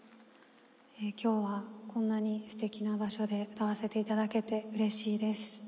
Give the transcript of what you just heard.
今日はこんなにすてきな場所で歌わせていただけてうれしいです。